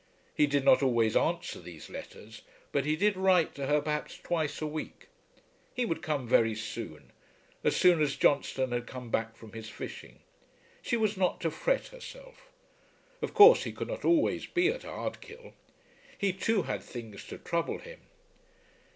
He did not always answer these letters, but he did write to her perhaps twice a week. He would come very soon, as soon as Johnstone had come back from his fishing. She was not to fret herself. Of course he could not always be at Ardkill. He too had things to trouble him.